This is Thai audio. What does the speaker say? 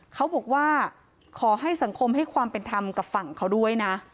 เขาบอกว่าขอให้สังคมให้ความเป็นธรรมกับฝั่งเขาด้วยนะ